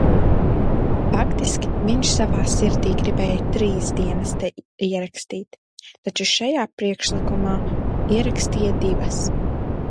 Faktiski viņš savā sirdī gribēja trīs dienas te ierakstīt, taču šajā priekšlikumā ierakstīja divas.